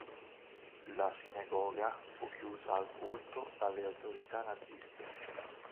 La sinagoga fu chiusa al culto dalle autorità naziste.